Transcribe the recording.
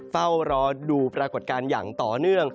เฝ้ารอดูปรากฏการณ์อย่างต่อเนื่อง